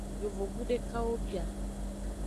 Yovogbu dekawo bia.